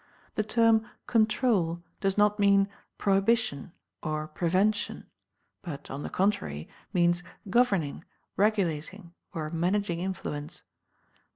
The term "CONTROL" does not mean "prohibition," or "prevention"; but, on the contrary, means "governing, regulating, or managing influence."